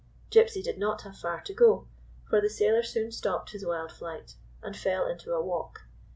Gypsy did not have far to go; for the sailor soon stopped his wild flight, and fell into a walk.